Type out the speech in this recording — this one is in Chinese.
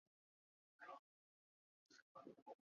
亨特原是吸烟者。